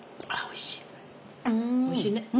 おいしいね。